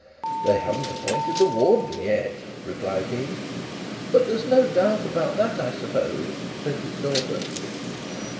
'They haven't appointed the warden yet,' replied he. 'But there's no doubt about that, I suppose,' said his daughter.